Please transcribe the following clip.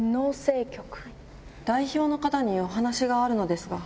代表の方にお話があるのですが。